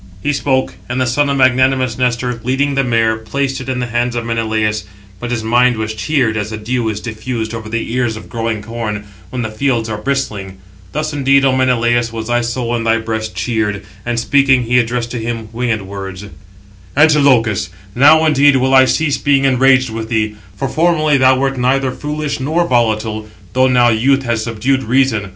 He spoke; and the son of magnanimous Nestor, leading the mare, placed it in the hands of Menelaus; but his 761 mind was cheered 762 as the dew [is diffused] over the ears of growing corn, when the fields are bristling. Thus indeed, Ο Menelaus, was thy soul in thy breast cheered; and speaking, he addressed to him winged words: Footnote 761: (return) I.e. Menelaus. Footnote 762: (return) Or softened, melted. See Heyne. "Antilochus, now indeed will I cease being enraged with thee, for formerly thou wert neither foolish nor volatile; though now youth has subdued reason.